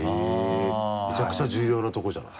へぇめちゃくちゃ重要なとこじゃない。